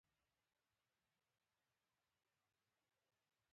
د شروډنګر معادله د څپې فنکشن تشریح کوي.